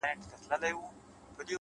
لوړ همت اوږده لارې لنډوي.